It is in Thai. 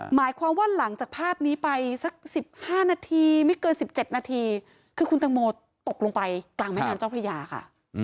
หมายความว่าหลังจากภาพนี้ไปสัก๑๕นาทีไม่เกิน๑๗นาทีคือคุณตังโมตกลงไปกลางแม่น้ำเจ้าพระยาค่ะ